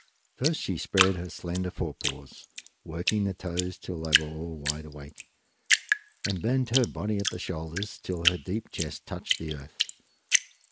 First she spread her slender fore paws, working the toes till they were all wide awake, and bent her body at the shoulders till her deep chest touched the earth.